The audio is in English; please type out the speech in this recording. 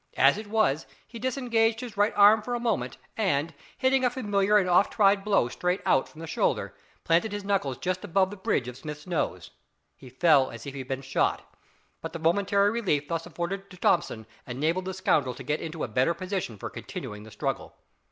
As it was, he disengaged his right arm for a moment and, hitting a familiar and oft tried blow straight out from the shoulder planted his knuckles just above the bridge of Smith's nose. He fell as if he had been shot but the momentary relief thus afforded to Thomson enabled that scoundrel to get into a better position for continuing the struggle.